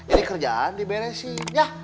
ini kerjaan diberesin ya